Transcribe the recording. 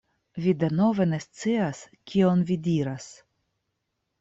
Vi denove ne scias kion vi diras.